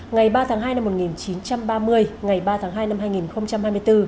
ngày ba tháng hai năm một nghìn chín trăm ba mươi ngày ba tháng hai năm hai nghìn hai mươi bốn